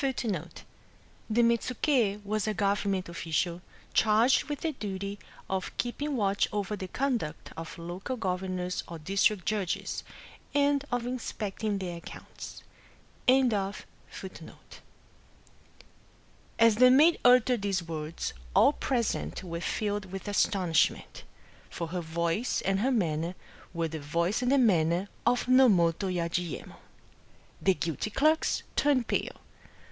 ^ The Mettuki wat a gOTeroment official, charged with the duty of keeping watch over the conduct of local goTemon or district judges, and of inspecting their accounts. Digitized by Googk SHIRYO 41 As the m^d uttered these words, all present were filled with astonishment ; for her voice and her manner were the voice and the manner of Nomoto Yajiyemon. The guilty clerks turned pale.